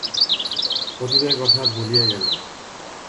অতীতের কথা ভুলিয়া গেলেন।